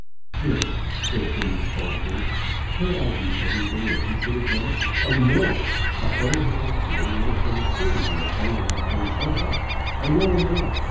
"Jerry!" said Jimmy scornfully. "Can't I do everything that he could have done? And more. A bonehead like Jerry would have been certain to have bungled the thing somehow. I know him well.